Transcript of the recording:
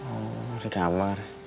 oh di kamar